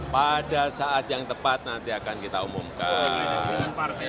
pada saat yang tepat nanti akan kita umumkan